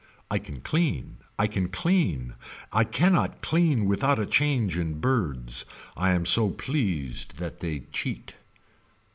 I can clean. I can clean. I cannot clean without a change in birds. I am so pleased that they cheat.